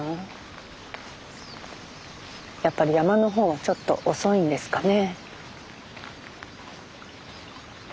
やっぱり山の方はちょっと遅いんですかね？